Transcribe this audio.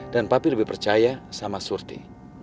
papi lebih percaya sama surti